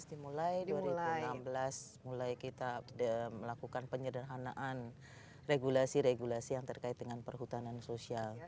dimulai dua ribu enam belas mulai kita melakukan penyederhanaan regulasi regulasi yang terkait dengan perhutanan sosial